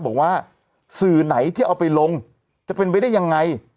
บอกว่าสื่อไหนที่เอาไปลงจะเป็นไปได้ยังไง